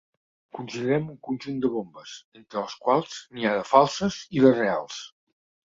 Considerem un conjunt de bombes, entre les quals n'hi ha de falses i de reals.